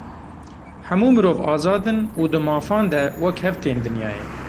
Hemû mirov azad in û di mafan de wekhev tên dinyayê.